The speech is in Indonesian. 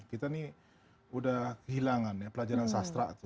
kita nih udah hilangannya pelajaran sastra